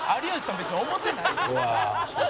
別に思ってないでしょ」